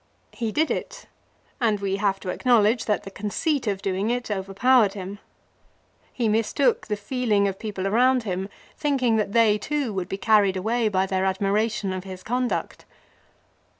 He did it ; and we have to acknowledge that the conceit of doing it overpowered him. He mistook the feeling of people around him, thinking that they too would be carried away by their admiration of his conduct.